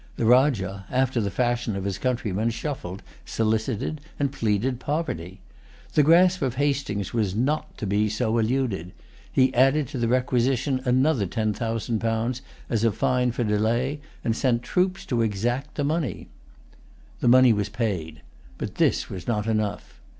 The Rajah, after the fashion of his countrymen, shuffled, solicited, and pleaded poverty. The grasp of Hastings was not to be so eluded. He added to the requisition another ten thousand pounds as a fine for delay, and sent troops to exact the money. The money was paid. But this was not enough.